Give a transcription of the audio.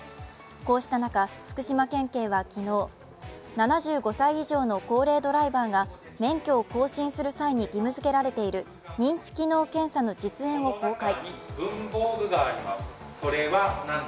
こうした中、福島県警は昨日７５歳以上の高齢ドライバーが免許を更新する際に義務づけられている認知機能検査の実演を公開。